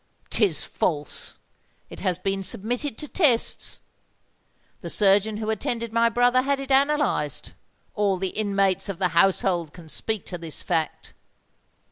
"'Tis false! It has been submitted to tests: the surgeon who attended my brother had it analysed. All the inmates of the household can speak to this fact."